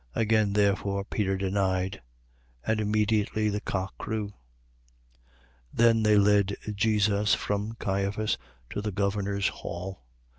18:27. Again therefore Peter denied: and immediately the cock crew. 18:28. Then they led Jesus from Caiphas to the governor's hall.